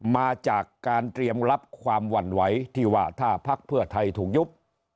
มาจากการเตรียมรับความหวั่นไหวที่ว่าถ้าพักเพื่อไทยถูกยุบ